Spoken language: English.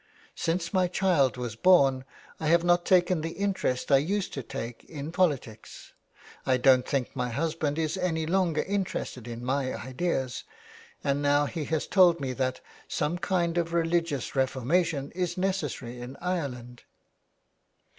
" Since my child was born I have not taken the interest I used to take in politics. I don't think my husband is any longer interested in my ideas, and now he has told me that some kind of religious reformation is necessary in Ireland."